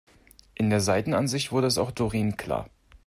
In der Seitenansicht wurde es auch Doreen klar.